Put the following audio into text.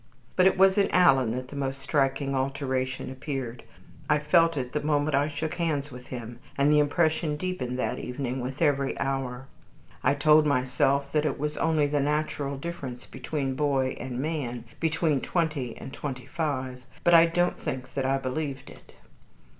But it was in Alan that the most striking alteration appeared. I felt it the moment I shook hands with him, and the impression deepened that evening with every hour. I told myself that it was only the natural difference between boy and man, between twenty and twenty five, but I don't think that I believed it.